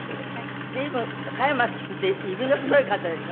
随分加山さんって指の太い方ですね